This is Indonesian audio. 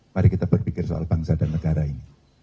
mari kita berpikir soal bangsa dan negara ini